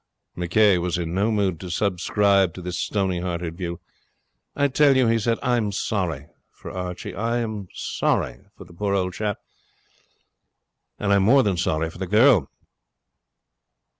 McCay was in no mood to subscribe to this stony hearted view. 'I tell you,' he said, 'I'm sorry for Archie! I'm sorry for the poor old chap. And I'm more than sorry for the girl.'